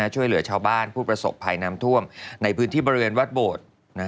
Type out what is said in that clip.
ช่วยเหลือชาวบ้านผู้ประสบภัยน้ำท่วมในพื้นที่บริเวณวัดโบสถ์